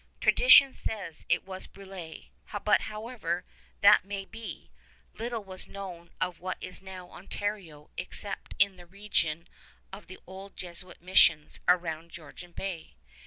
Tradition says it was Brulé; but however that may be, little was known of what is now Ontario except in the region of the old Jesuit missions around Georgian Bay.